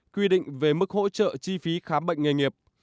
quy định về mức hỗ trợ chi phí khám bệnh nghề nghiệp